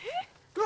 うわ！